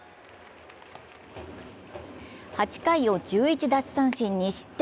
８回を１１奪三振２失点。